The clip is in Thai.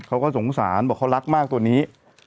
เขาก็สงสารบอกเขารักมากตัวนี้